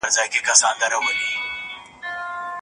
که مینه وي نو شال نه وي.